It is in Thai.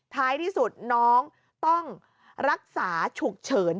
ท้ายที่สุดน้องต้องรักษาฉุกเฉิน